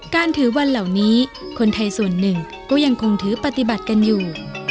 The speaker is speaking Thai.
การถือวันเหล่านี้คนไทยส่วนหนึ่งก็ยังคงถือปฏิบัติกันอยู่